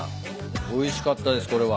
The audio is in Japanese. おいしかったですこれは。